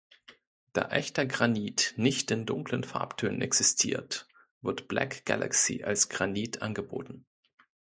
Da „echter“ Granit nicht in dunklen Farbtönen existiert, wird Black Galaxy als Granit angeboten.